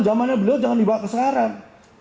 zamannya beliau jangan dibawa ke sekarang